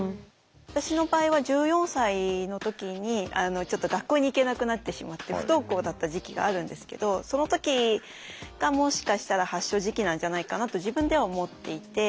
私の場合は１４歳の時にちょっと学校に行けなくなってしまって不登校だった時期があるんですけどその時がもしかしたら発症時期なんじゃないかなと自分では思っていて。